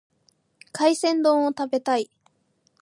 海鮮丼を食べたい。